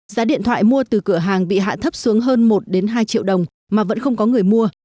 giá điện thoại mua từ cửa hàng bị hạ thấp xuống hơn một hai triệu đồng mà vẫn không có người mua